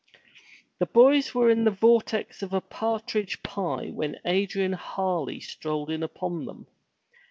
The boys were in the vortex of a partridge pie when Adrian Harley strolled in upon them.